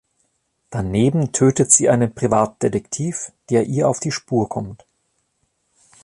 Daneben tötet sie einen Privatdetektiv, der ihr auf die Spur kommt.